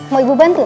mau ibu bantu nak